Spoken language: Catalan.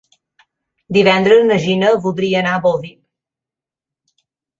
Divendres na Gina voldria anar a Bolvir.